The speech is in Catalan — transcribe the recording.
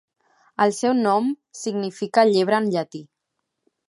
El seu nom significa llebre en llatí.